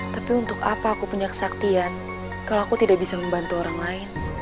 tapi untuk apa aku punya kesaktian kalau aku tidak bisa membantu orang lain